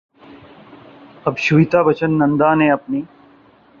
اب شویتا بچن نندا نے اپنی